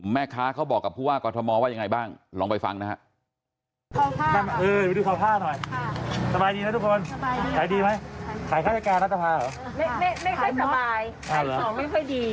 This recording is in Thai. แม่ค้าเค้าบอกกับผู้ว่ากอธมมตรว่าอย่างไรบ้างลองไปฟังนะครับ